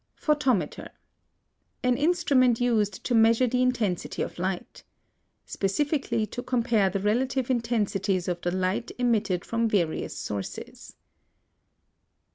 PHOTOMETER. An instrument used to measure the intensity of light. Specifically, to compare the relative intensities of the light emitted from various sources.